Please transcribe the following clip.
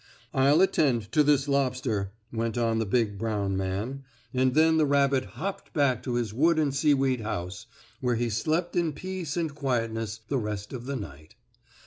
"I'll attend to this lobster," went on the big, brown man, and then the rabbit hopped back to his wood and seaweed house, where he slept in peace and quietness the rest of the night.